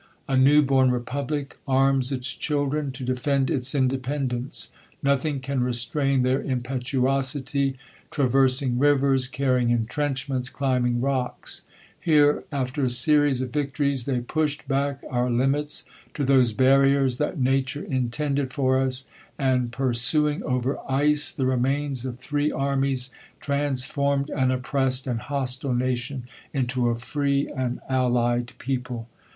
A new born republic arms its children to defend its independence ; nothing can restrain their impetuosity ; traversing rivers, carrying entrenchments, chmbing rocks, ilere, after a series of victories, they pushed back our limits to those k^rriors that nature intended for us, and pursuing over ice the remains of thi ee ar mies, transformed an oppressed and hostile nation into a free and allied people.